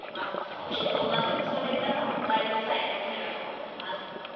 お昼と同じ服装で皆さんもお帰りの際、過ごせるかと思います。